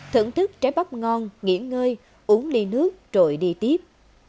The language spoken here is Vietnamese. thưởng thức trái bắp ngon nghỉ ngơi uống ly nước rồi đi tiếp